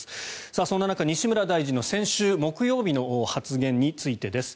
そんな中、西村大臣の先週木曜日の発言についてです。